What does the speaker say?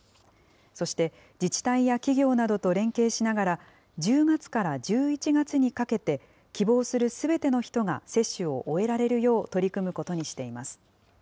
そして、自治体や企業などと連携しながら、１０月から１１月にかけて、希望するすべての人が接種を終えられるよう取り組むことにしています。